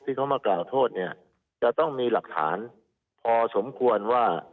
ที่เขามากล่าวโทษเนี่ยจะต้องมีหลักฐานพอสมควรว่า